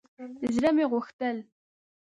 زړه مې غوښتل